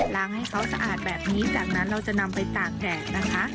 งให้เขาสะอาดแบบนี้จากนั้นเราจะนำไปตากแดดนะคะ